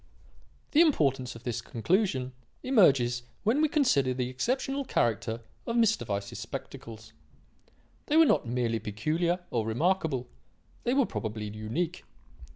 "The importance of this conclusion emerges when we consider the exceptional character of Mr. Weiss's spectacles. They were not merely peculiar or remarkable; they were probably unique.